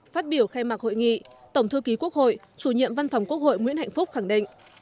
phát biểu khai mạc hội nghị tổng thư ký quốc hội chủ nhiệm văn phòng quốc hội nguyễn hạnh phúc khẳng định